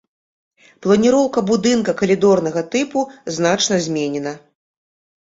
Планіроўка будынка калідорнага тыпу значна зменена.